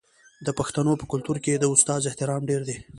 د پښتنو په کلتور کې د استاد احترام ډیر دی.